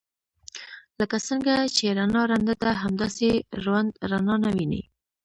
لکه څنګه چې رڼا ړنده ده همداسې ړوند رڼا نه ويني.